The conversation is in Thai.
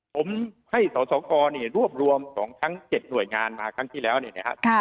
ผมให้สสกรเนี่ยรวบรวมของทั้ง๗หน่วยงานมาครั้งที่แล้วเนี่ยนะครับ